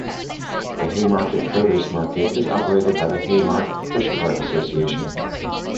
The Haymarket produce market is operated by the Haymarket Pushcart Association.